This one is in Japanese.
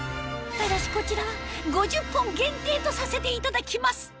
ただしこちらはとさせていただきます